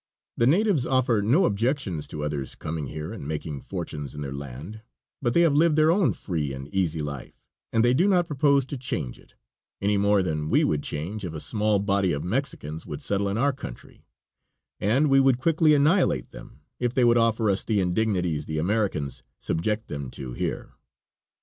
The natives offer no objections to others coming here and making fortunes in their land, but they have lived their own free and easy life and they do not propose to change it, any more than we would change if a small body of Mexicans would settle in our country; and we would quickly annihilate them if they would offer us the indignities the Americans subject them to here.